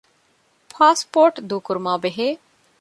ޕާސްޕޯޓް ދޫކުރުމާބެހޭ